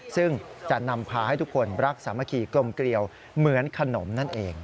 ซึ่งจะนำพาให้ทุกคนรักสามัคคีกลมเกลียวเหมือนขนมนั่นเอง